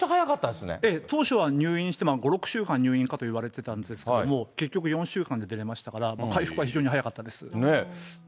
当初は入院して５、６週間、入院かといわれてたんですけれども、結局４週間で出れましたから、回復は非常に早かったです。